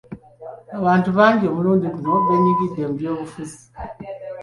Abantu bangi omulundi guno beenyigidde mu by'obufuzi.